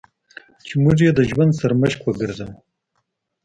چې موږ یې د ژوند سرمشق وګرځوو.